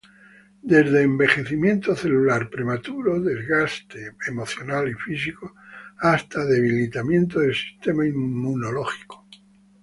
Desde envejecimiento celular prematuro, desgaste emocional y físico hasta debilitamiento del sistema inmunológico.